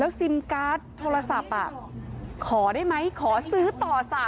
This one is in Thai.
ซิมการ์ดโทรศัพท์ขอได้ไหมขอซื้อต่อ๓๐๐